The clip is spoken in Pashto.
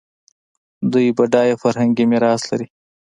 دوی بډایه فرهنګي میراث لري.